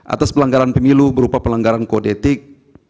atas pelanggaran pemilu berupa pelanggaran kodetik